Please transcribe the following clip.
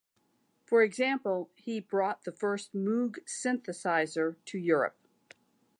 For example, he brought the first Moog synthesizer to Europe.